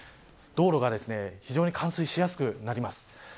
道路が非常に冠水しやすくなります。